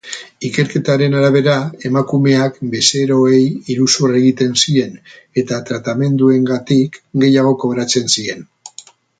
Ikerketaren arabera, emakumeak bezeroei iruzur egiten zien eta tratamenduengatik gehiago kobratzen zien.